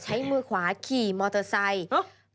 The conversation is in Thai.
ใช้มือขวาขี่มอเตอร์ไซค์